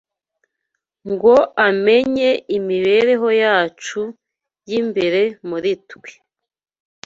ngo amenye imibereho yacu y’imbere muri twe